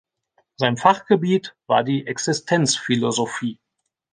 Sein Fachgebiet war die Existenzphilosophie.